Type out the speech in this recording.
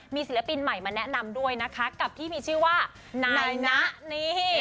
มีศิลปินใหม่มาแนะนำด้วยนะคะกับที่มีชื่อว่านายนะนี่